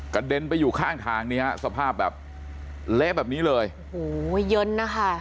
เด็นไปอยู่ข้างทางเนี่ยสภาพแบบเละแบบนี้เลยโอ้โหเย็นนะคะ